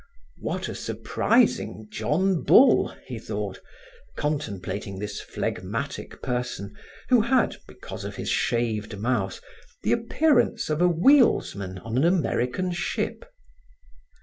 What a surprising John Bull, he thought, contemplating this phlegmatic person who had, because of his shaved mouth, the appearance of a wheelsman of an American ship.